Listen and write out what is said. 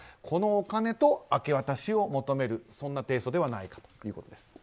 このお金と明け渡しを求めるそんな提訴ではないかということです。